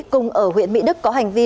cùng ở huyện mỹ đức có hành vi